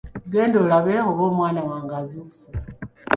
Genda olabe oba omwana wange azuukuse.